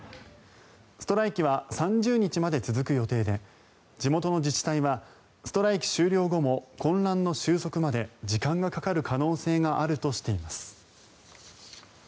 ストライキは３０日まで続く予定で地元の自治体はストライキ終了後も混乱の収束まで時間がかかる可能性があるとしています。